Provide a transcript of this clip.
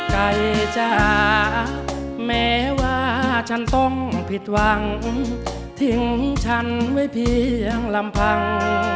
ไก่จ๋าแม้ว่าฉันต้องผิดหวังทิ้งฉันไว้เพียงลำพัง